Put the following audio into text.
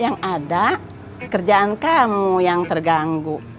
yang ada kerjaan kamu yang terganggu